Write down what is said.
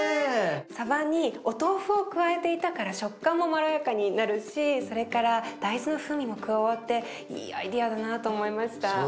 さばにお豆腐を加えていたから食感もまろやかになるしそれから大豆の風味も加わっていいアイデアだなと思いました。